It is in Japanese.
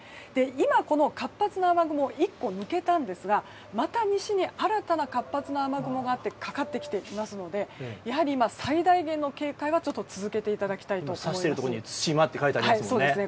今、活発な雨雲１個抜けたんですがまた、西に新たな活発な雨雲がかかってきていますのでやはり最大限の警戒は続けていただきたいと思います。